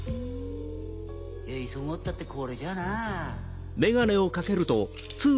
急ごうったってこれじゃなぁ。